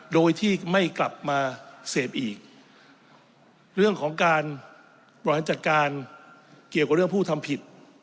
โดยที่ไม่กลับมาเสพอีกเรื่องของการบริหารจัดการเกี่ยวกับเรื่องผู้ทำผิด